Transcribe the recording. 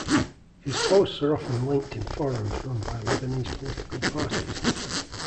His posts are often linked in forums run by Lebanese political parties.